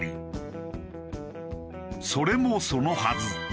それもそのはず